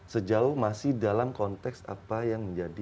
sejauh masih dalam konteks apa yang menjadi